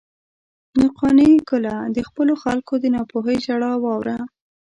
نو قانع ګله، د خپلو خلکو د ناپوهۍ ژړا واوره.